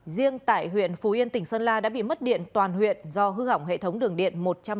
riêng tại huyện phú yên tỉnh sơn la đã bị mất điện toàn huyện do hư hỏng hệ thống đường điện một trăm một mươi